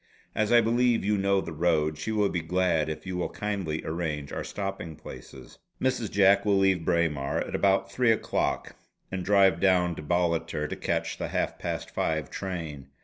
As I believe you know the road, she will be glad if you will kindly arrange our stopping places. Mrs. Jack will leave Braemar at about three o'clock and drive down to Ballater to catch the half past five train.